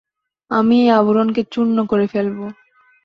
আমি এই আবরণকে চূর্ণ করে ফেলবো!